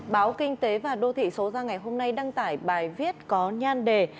báo kinh tế và đô thị số ra ngày hôm nay đăng tải bài viết có nhan đề